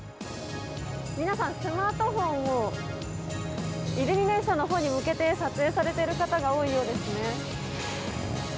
皆さん、スマートフォンをイルミネーションのほうに向けて撮影されている方が多いようですね。